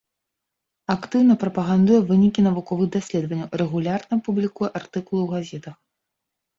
Актыўна прапагандуе вынікі навуковых даследаванняў, рэгулярна публікуе артыкулы ў газетах.